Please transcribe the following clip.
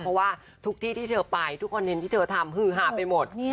เพราะว่าทุกที่ที่เธอไปทุกคอนเทนต์ที่เธอทำฮือหาไปหมด